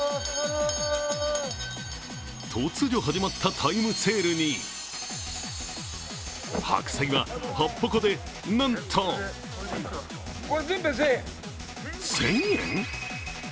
突如始まったタイムセールに、白菜は８箱でなんと１０００円？